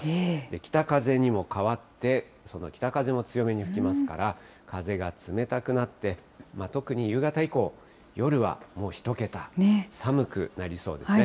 北風にも変わって、その北風も強めに吹きますから、風が冷たくなって、特に夕方以降、夜はもう１桁、寒くなりそうですね。